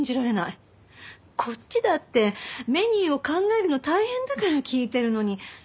こっちだってメニューを考えるの大変だから聞いてるのに。